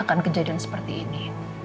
akan kejadian seperti ini